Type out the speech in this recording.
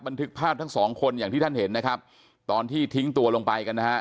บันทึกภาพทั้งสองคนอย่างที่ท่านเห็นนะครับตอนที่ทิ้งตัวลงไปกันนะฮะ